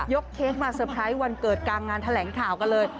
เค้กมาเตอร์ไพรส์วันเกิดกลางงานแถลงข่าวกันเลย